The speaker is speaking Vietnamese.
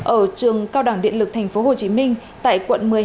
ở trường cao đẳng điện lực tp hcm tại quận một mươi hai